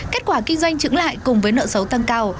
kết quả kinh doanh trứng lại cùng với nợ xấu tăng cao